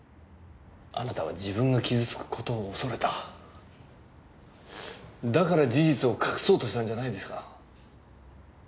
あなたは自分が傷つくことを恐れただから事実を隠そうとしたんじゃないですか